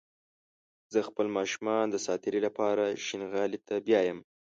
زه خپل ماشومان د ساعتيرى لپاره شينغالي ته بيايم